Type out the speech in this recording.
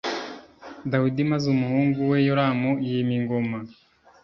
dawidi maze umuhungu we yoramu yima ingoma